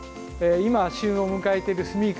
今、旬を迎えているスミイカ